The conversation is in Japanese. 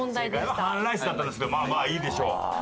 正解は半ライスだったんですけどまあまあいいでしょう。